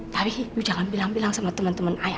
tapi ibu jangan bilang bilang sama teman teman ayah